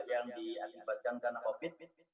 yang diakibatkan karena covid